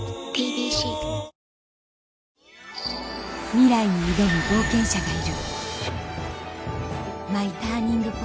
ミライに挑む冒険者がいる